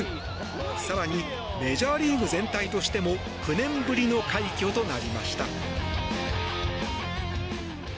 更にメジャーリーグ全体としても９年ぶりの快挙となりました。